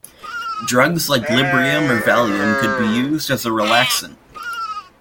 Drugs like Librium or Valium could be used as a relaxant.